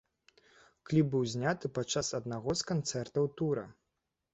Кліп быў зняты падчас аднаго з канцэртаў тура.